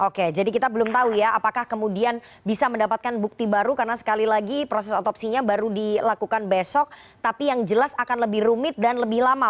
oke jadi kita belum tahu ya apakah kemudian bisa mendapatkan bukti baru karena sekali lagi proses otopsinya baru dilakukan besok tapi yang jelas akan lebih rumit dan lebih lama